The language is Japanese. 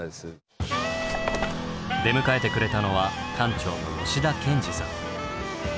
出迎えてくれたのは館長の吉田健司さん。